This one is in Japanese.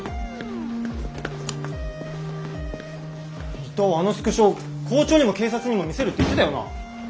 伊藤あのスクショ校長にも警察にも見せるって言ってたよな？